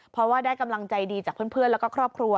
เพราะว่าได้กำลังใจดีจากเพื่อนแล้วก็ครอบครัว